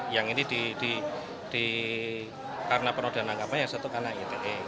yang ini di karena penerbangan agama ya satu karena ite